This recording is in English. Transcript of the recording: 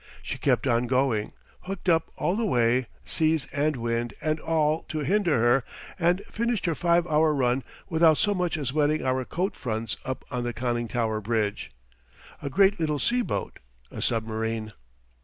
She kept on going, hooked up all the way, seas and wind and all to hinder her, and finished her five hour run without so much as wetting our coat fronts up on the conning tower bridge. A great little sea boat a submarine.